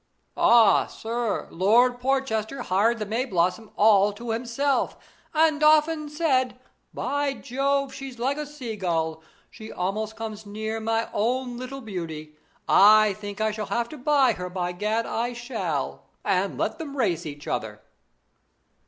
'Ah, sir! Lord Porchester hired the Mayblossom all to himself, and often said: "By Jove! she's like a sea gull. She almost comes near my own little beauty. I think I shall have to buy her, by gad I shall! and let them race each other."'